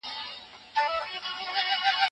د زده کړې او روزنې بهیر باید پیاوړی سي.